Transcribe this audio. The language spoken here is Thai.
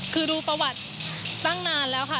คือดูประวัติตั้งนานแล้วค่ะ